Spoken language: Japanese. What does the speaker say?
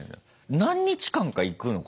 何日間か行くのかな？